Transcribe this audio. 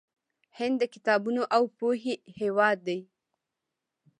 هند د کتابونو او پوهې هیواد دی.